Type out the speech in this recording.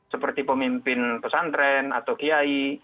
seperti pemimpin pesantren atau kiai